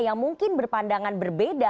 yang mungkin berpandangan berbeda